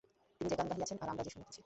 তিনি যে গাহিয়াছেন আর আমরা যে শুনিতেছি।